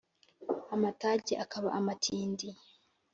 amatage akaba amatindi